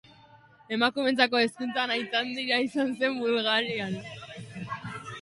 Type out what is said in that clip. Emakumeentzako hezkuntzan aitzindaria izan zen Bulgarian.